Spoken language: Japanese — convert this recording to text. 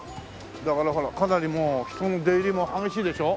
だからほらかなりもう人の出入りも激しいでしょ？